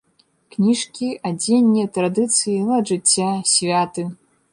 Кніжкі, адзенне, традыцыі, лад жыцця, святы.